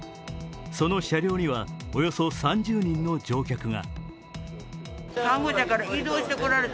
その車両にはおよそ３０人の乗客が。